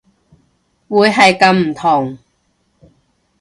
會係咁唔同